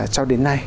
cho đến nay